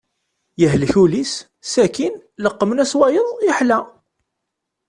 Yehlek ul-is sakin leqmen-as wayeḍ yeḥla.